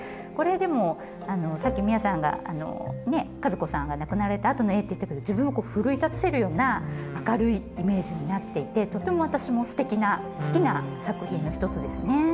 これでもさっき弥麻さんがね和子さんが亡くなられたあとの絵って言ったけど自分をこう奮い立たせるような明るいイメージになっていてとても私もすてきな好きな作品の一つですね。